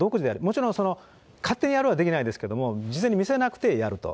もちろん、勝手にやるはできないですけれども、事前に見せなくてやると。